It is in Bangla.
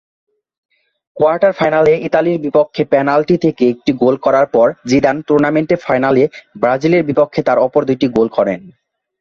কোয়ার্টার ফাইনালে ইতালির বিপক্ষে পেনাল্টি থেকে একটি গোল করার পর জিদান টুর্নামেন্ট ফাইনালে ব্রাজিলের বিপক্ষে তার অপর দুইটি গোল করেন।